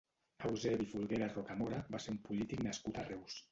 Eusebi Folguera Rocamora va ser un polític nascut a Reus.